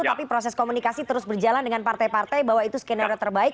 tapi proses komunikasi terus berjalan dengan partai partai bahwa itu skenario terbaik